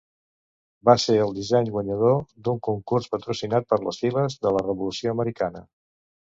Va ser el disseny guanyador d'un concurs patrocinat per les Filles de la Revolució Americana.